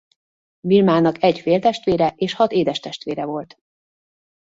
Vilmának egy féltestvére és hat édestestvére volt.